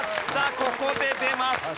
ここで出ました。